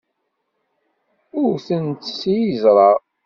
Wwten-tt s yiẓṛa.